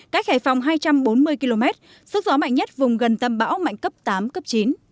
cách hải phòng hai trăm bốn mươi km sức gió mạnh nhất vùng gần tâm bão mạnh cấp tám cấp chín